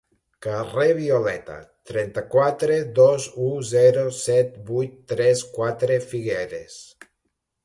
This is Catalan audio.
Carrer Violeta, trenta-quatre dos-u, zero set vuit tres quatre, Figueres.